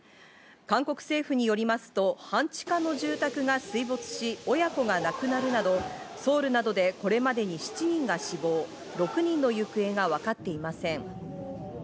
韓国政府によりますと半地下の住宅が水没し、親子が亡くなるなどソウルなどでこれまでに７人が死亡、６人の行方がわかっていません。